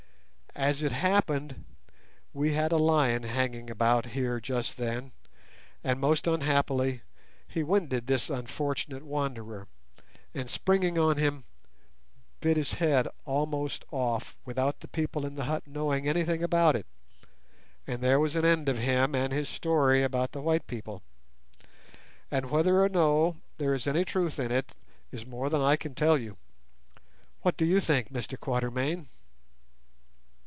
As it happened, we had a lion hanging about here just then, and most unhappily he winded this unfortunate wanderer, and, springing on him, bit his head almost off without the people in the hut knowing anything about it, and there was an end of him and his story about the white people; and whether or no there is any truth in it is more than I can tell you. What do you think, Mr Quatermain?"